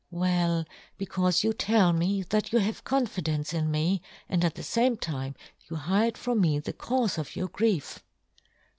" Well, be " caufe you tell me that you have " confidence in me, and at the fame " time ^ou hide from me the caufe " of your grief!"